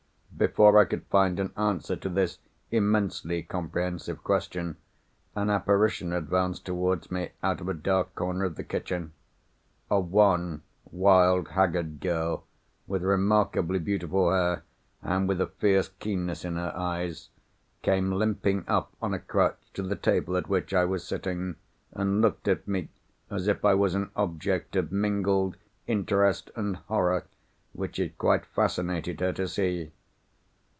Before I could find an answer to this immensely comprehensive question, an apparition advanced towards me, out of a dark corner of the kitchen. A wan, wild, haggard girl, with remarkably beautiful hair, and with a fierce keenness in her eyes, came limping up on a crutch to the table at which I was sitting, and looked at me as if I was an object of mingled interest and horror, which it quite fascinated her to see.